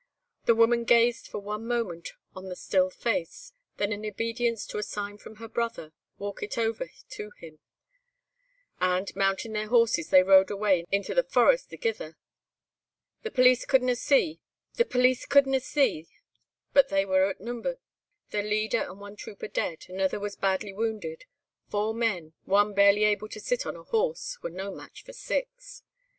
The woman gazed for one moment on the still face; then in obedience to a sign from her brother, walkit over to him, and, mounting their horses, they rode away into the forest thegither. The police couldna but see they were ootnummered. Their leader and one trooper dead; anither was badly wounded. Four men—one barely able to sit on a horse—were no match for six.